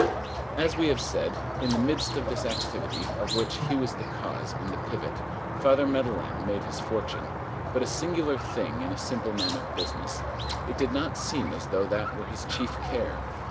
As we have said, in the midst of this activity of which he was the cause and the pivot, Father Madeleine made his fortune; but a singular thing in a simple man of business, it did not seem as though that were his chief care.